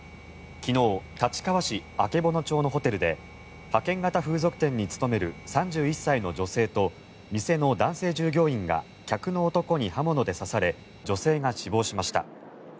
昨日、立川市曙町のホテルで派遣型風俗店に勤める３１歳の女性と店の男性従業員が客の男に刃物で刺され女性が死亡しました。